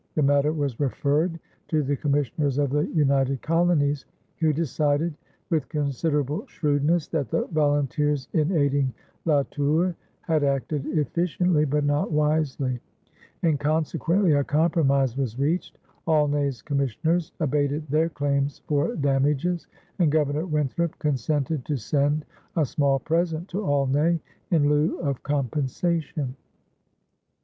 The matter was referred to the commissioners of the United Colonies, who decided, with considerable shrewdness, that the volunteers in aiding La Tour had acted efficiently but not wisely; and consequently a compromise was reached. Aulnay's commissioners abated their claims for damages, and Governor Winthrop consented to send "a small present" to Aulnay in lieu of compensation.